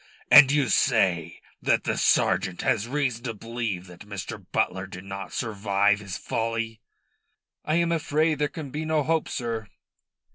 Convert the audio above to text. "And you say the sergeant has reason to believe that Mr. Butler did not survive his folly?" "I am afraid there can be no hope, sir."